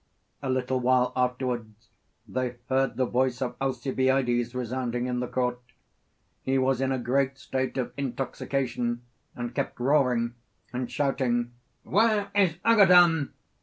A little while afterwards they heard the voice of Alcibiades resounding in the court; he was in a great state of intoxication, and kept roaring and shouting 'Where is Agathon?